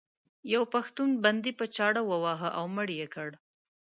یو پښتون بندي په چاړه وواهه او مړ یې کړ.